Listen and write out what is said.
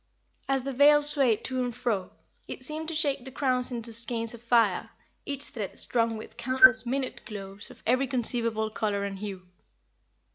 As the veil swayed to and fro, it seemed to shake the crowns into skeins of fire, each thread strung with countless minute globes of every conceivable color and hue.